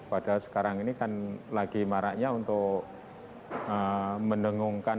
padahal sekarang ini kan lagi maraknya untuk menengungkan